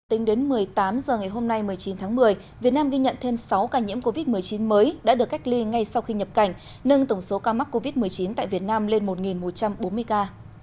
tính đến một mươi tám h ngày hôm nay một mươi chín tháng một mươi việt nam ghi nhận thêm sáu ca nhiễm covid một mươi chín mới đã được cách ly ngay sau khi nhập cảnh nâng tổng số ca mắc covid một mươi chín tại việt nam lên một một trăm bốn mươi ca